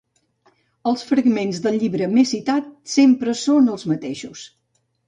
Els fragments del llibre més citats sempre són els mateixos.